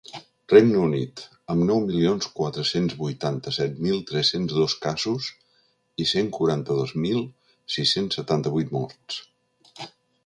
Regne Unit, amb nou milions quatre-cents vuitanta-set mil tres-cents dos casos i cent quaranta-dos mil sis-cents setanta-vuit morts.